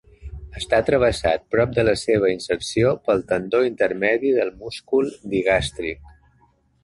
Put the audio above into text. Està travessat, prop de la seva inserció, pel tendó intermedi del múscul digàstric.